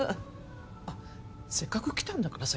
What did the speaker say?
あっせっかく来たんだからさ